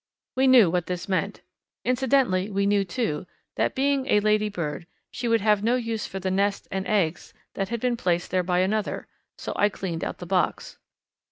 We knew what this meant; incidentally we knew, too, that being a ladybird she would have no use for the nest and eggs that had been placed there by another, so I cleaned out the box.